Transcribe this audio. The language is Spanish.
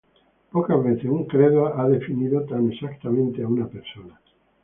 Pocas veces un credo ha definido tan exactamente a una persona.